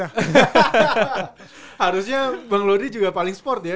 harusnya bang lodri juga paling sport ya